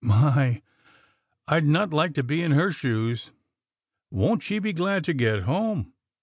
— my! I'd not like to be in her shoes — won't she be glad to get home